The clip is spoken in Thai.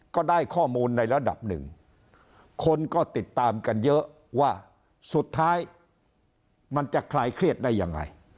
ก็ได้ข้อมูลในระดับหนึ่งคนก็ติดตามกันเยอะว่าสุดท้ายมันจะคลายเครียดได้ยังไง